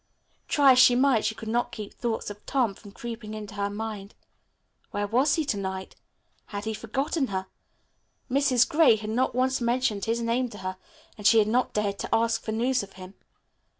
Try as she might she could not keep thoughts of Tom from creeping into her mind. Where was he to night? Had he forgotten her? Mrs. Gray had not once mentioned his name to her, and she had not dared to ask for news of him.